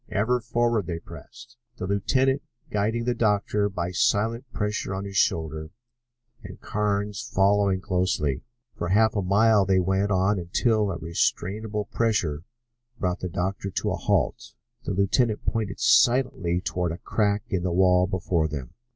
Ever forward they pressed, the lieutenant guiding the doctor by silent pressure on his shoulder and Carnes following closely. For half a mile they went on until a restrainable pressure brought the doctor to a halt. The lieutenant pointed silently toward a crack in the wall before them.